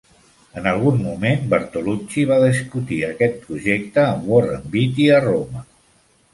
En algun moment Bertolucci va discutir aquest projecte amb Warren Beatty a Roma.